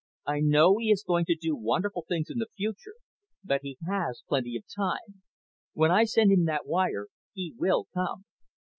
"I know he is going to do wonderful things in the future, but he has plenty of time. When I send him that wire, he will come."